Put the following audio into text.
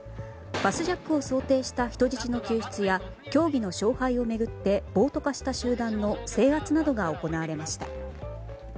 バスジャックを想定した人質の救出や競技の勝敗を巡って暴徒化した集団の制圧などが行われました。